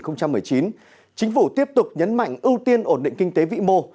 năm hai nghìn một mươi chín chính phủ tiếp tục nhấn mạnh ưu tiên ổn định kinh tế vĩ mô